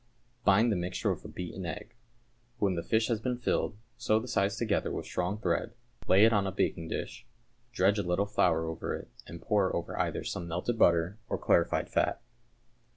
Bind the mixture with a beaten egg. When the fish has been filled, sew the sides together with strong thread, lay it on a baking dish, dredge a little flour over it, and pour over either some melted butter or clarified fat.